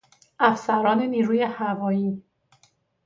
افسران نیروی هوایی